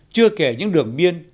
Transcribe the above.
chưa kể những đường biên